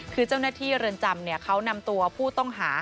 คือเจ้าหน้าที่เรินจำเนี่ยเขานำตัวผู้ต้องหา๕คน